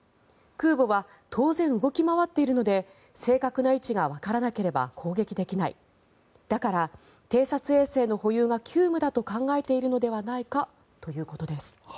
空母は当然、動き回っているので正確な位置がわからなければ攻撃できないだから偵察衛星の保有が急務だと考えているのではないかということです。